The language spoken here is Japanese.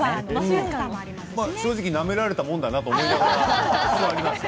正直、なめられたもんだなと思いながら座りました。